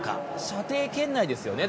射程圏内ですよね